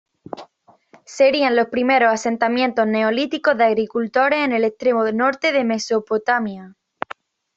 Serían los primeros asentamientos neolíticos de agricultores en el extremo norte de Mesopotamia.